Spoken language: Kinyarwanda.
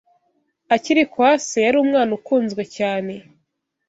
Akiri kwa se, yari umwana ukunzwe cyane